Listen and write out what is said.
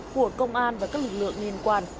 của công an và các lực lượng liên quan